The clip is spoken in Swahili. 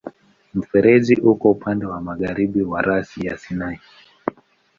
Mfereji uko upande wa magharibi wa rasi ya Sinai.